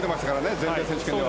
全米選手権では。